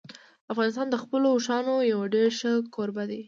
افغانستان د خپلو اوښانو یو ډېر ښه کوربه دی.